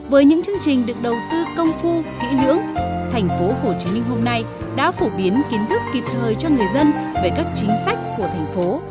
với những chương trình được đầu tư công phu kỹ lưỡng thành phố hồ chí minh hôm nay đã phổ biến kiến thức kịp thời cho người dân về các chính sách của thành phố